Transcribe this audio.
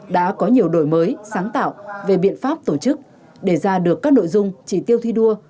đã có nhiều đổi mới sáng tạo về biện pháp tổ chức để ra được các nội dung chỉ tiêu thi đua